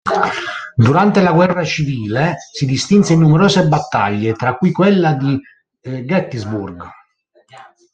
Durante la guerra civile si distinse in numerose battaglie, tra cui quella di Gettysburg.